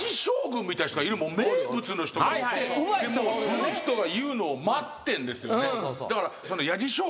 がいてその人が言うのを待ってんですよね。